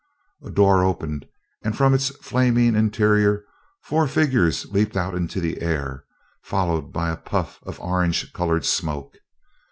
A door opened, and from its flaming interior four figures leaped out into the air, followed by a puff of orange colored smoke.